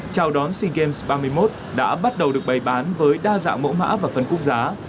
trao đón sea games ba mươi một đã bắt đầu được bày bán với đa dạng mẫu mã và phần cung giá